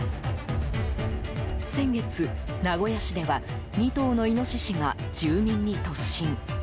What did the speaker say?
先月、名古屋市では２頭のイノシシが住民に突進。